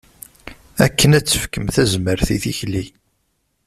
Akken ad tefkem tazmert i tikli.